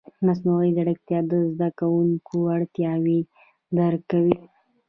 مصنوعي ځیرکتیا د زده کوونکو اړتیاوې درک کوي.